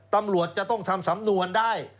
ตำรวจจะต้องทำสำนวนได้